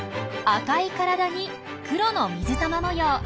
赤い体に黒の水玉模様。